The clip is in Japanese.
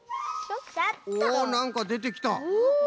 おっなんかでてきた。